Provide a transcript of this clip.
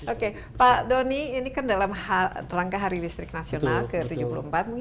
oke pak doni ini kan dalam rangka hari listrik nasional ke tujuh puluh empat